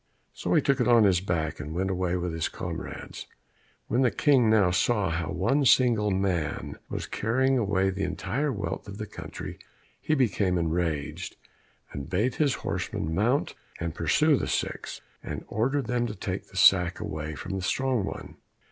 So he took it on his back, and went away with his comrades. When the King now saw how one single man was carrying away the entire wealth of the country, he became enraged, and bade his horsemen mount and pursue the six, and ordered them to take the sack away from the strong one.